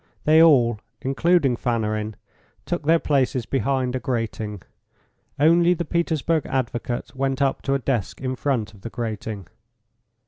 They all, including Fanarin, took their places behind a grating. Only the Petersburg advocate went up to a desk in front of the grating.